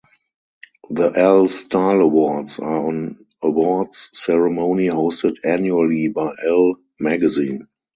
The "Elle" Style Awards are an awards ceremony hosted annually by "Elle" magazine.